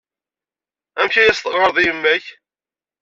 Amek ay as-teɣɣareḍ i yemma-k?